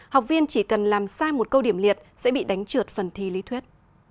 học viên chỉ cần làm sai một câu điểm liệt sẽ bị đánh trượt phần thi lý thuyết